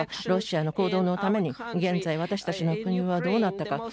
ロシアの行動のために現在、わたしたちの国はどうなったのか。